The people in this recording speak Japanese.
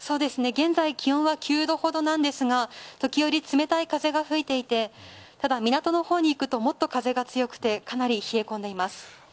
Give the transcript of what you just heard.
現在、気温は９度ほどなんですが時折、冷たい風が吹いていてただ、港の方に行くともっと風が強くてかなり冷え込んでいます。